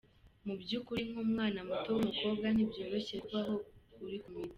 Mu by’ukuri, nk’umwana muto w’umukobwa, ntibyoroshye kubaho uri ku miti.